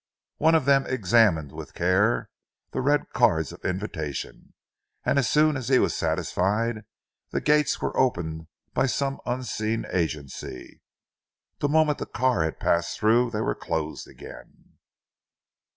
One of them examined with care the red cards of invitation, and as soon as he was satisfied the gates were opened by some unseen agency. The moment the car had passed through, they were closed again.